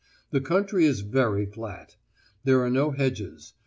The country is very flat. There are no hedges.